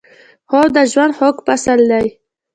خوب د ژوند خوږ فصل دی